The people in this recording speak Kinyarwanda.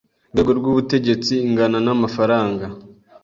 rwego rw ubutegetsi ingana n amafaranga